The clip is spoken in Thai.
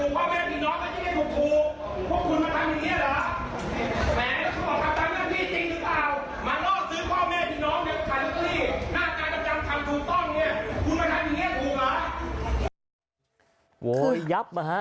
โว้ยยับหรอฮะ